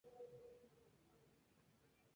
Fue una de las primeras arquitectas en Ohio.